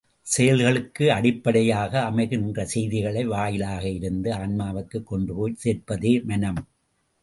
செயல்களுக்கு அடிப்படையாக அமைகின்ற செய்திகளை, வாயிலாக இருந்து ஆன்மாவுக்குக் கொண்டுபோய்ச் சேர்ப்பதும் மனமே!